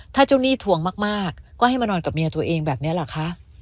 ถ้าเจ้าหนี้ทวงมากก็ให้มานอนกับเมียตัวเองแบบนี้เหรอคะ